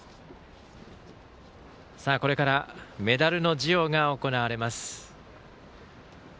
これからメダルの授与が行われます。